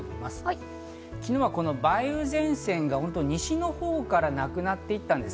昨日はこの梅雨前線が西のほうからなくなっていったんです。